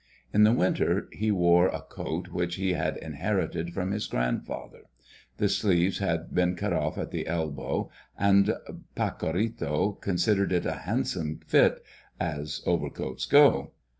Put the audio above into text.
In the winter he wore a coat which he had inherited from his grandfather. The sleeves had been cut off at the elbow, and Pacorrito considered it a handsome fit, as overcoats go.